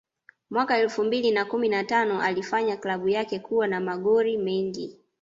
Mwaka elfu mbili na kumi na tano alifanya klabu yake kuwa na magori mengi